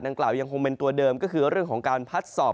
กล่าวยังคงเป็นตัวเดิมก็คือเรื่องของการพัดสอบ